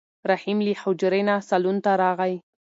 رحیم له حجرې نه صالون ته راغی.